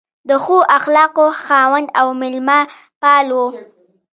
د ښو اخلاقو خاوند او مېلمه پال و.